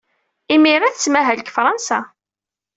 Imir-a, tettmahal deg Fṛansa.